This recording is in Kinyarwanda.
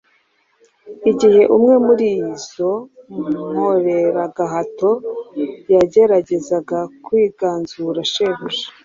Igihe umwe muri izo nkoreragahato yageragezaga kwiganzura shebuja,